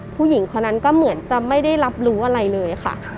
ผู้หญิงคนนั้นก็เหมือนจะไม่ได้รับรู้อะไรเลยค่ะ